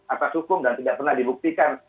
atas hukum dan tidak pernah dibuktikan